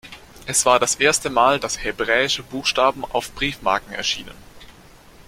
Es war das erste Mal, dass hebräische Buchstaben auf Briefmarken erschienen.